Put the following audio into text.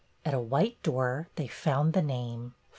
At a white door they found the name.